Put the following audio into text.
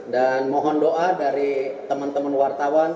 dan mohon doa dari teman teman wartawan